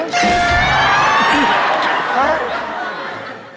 เฮ่ย